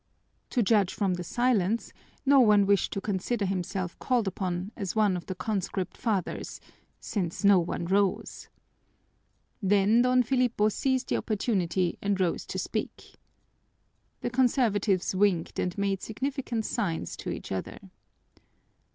To judge from the silence, no one wished to consider himself called upon as one of the Conscript Fathers, since no one rose. Then Don Filipo seized the opportunity and rose to speak. The conservatives winked and made significant signs to each other.